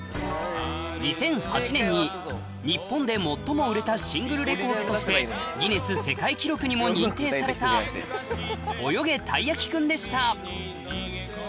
２００８年に日本で最も売れたシングルレコードとしてギネス世界記録にも認定されたすげぇ。